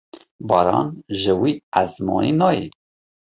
Baran ji wî esmanî nayê.